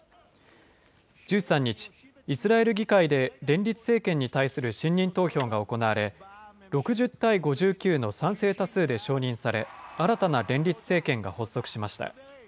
１３日、イスラエル議会で連立政権に対する信任投票が行われ、６０対５９の賛成多数で承認され、新たな連立政権が発足しました。